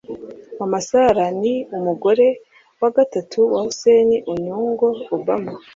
Mama Sarah ni umugore wa gatatu wa Hussein Onyango Obama